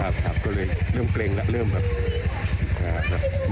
ก็เลยเริ่มเกร็งแล้วเริ่มแบบ